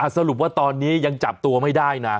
สรุปว่าตอนนี้ยังจับตัวไม่ได้นะ